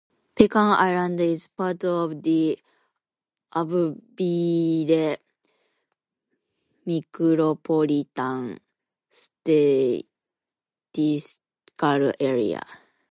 Pecan Island is part of the Abbeville Micropolitan Statistical Area.